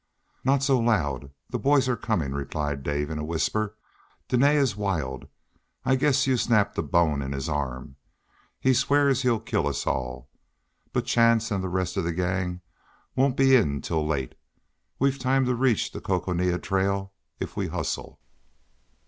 "Not so loud! The boys are coming," replied Dave in a whisper. "Dene is wild. I guess you snapped a bone in his arm. He swears he'll kill us all. But Chance and the rest of the gang won't be in till late. We've time to reach the Coconina Trail, if we hustle."